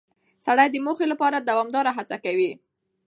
سړی د موخې لپاره دوامداره هڅه کوي